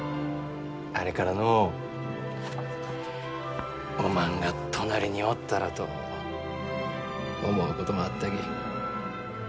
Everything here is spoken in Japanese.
あれからのうおまんが隣におったらと思うこともあったき。